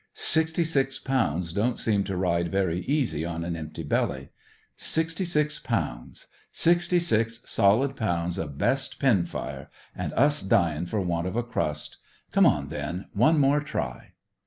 Sixty six pounds don't seem to ride very easy on an empty belly. Sixty six pounds sixty six solid pounds o' best pin fire and us dyin' for want of a crust. Come on, then! One more try!"